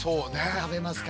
食べますか？